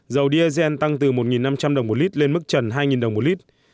dầu diazen tăng từ một năm trăm linh đồng mỗi lít lên mức trần hai đồng mỗi lít